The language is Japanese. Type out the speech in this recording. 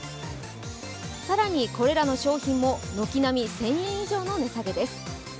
更にこれらの商品も軒並み１０００円以上の値下げです。